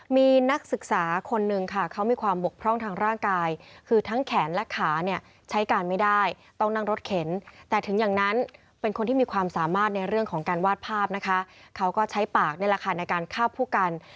มีนักศึกษาคนหนึ่งค่ะเขามีความบกพร่องทางร่างกาย